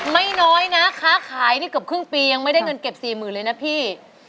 ไม่น้อยนะค้าขายนี่เกือบครึ่งปียังไม่ได้เงินเก็บ๔๐๐๐เลยนะพี่